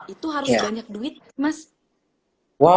itu harus banyak duit mas